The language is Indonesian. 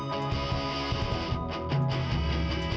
jangan bertentangan yang sis